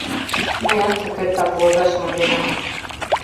Мыят шукертак возаш монденам.